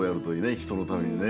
ひとのためにね。